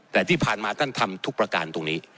แต่ที่ผ่านมาท่านทำทุกประการตรงนี้